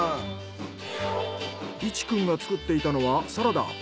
壱くんが作っていたのはサラダ。